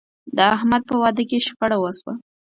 د احمد په واده کې شخړه وشوه.